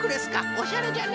おしゃれじゃな。